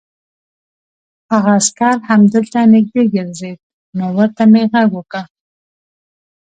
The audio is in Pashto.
هغه عسکر همدلته نږدې ګرځېد، نو ورته مې غږ وکړ.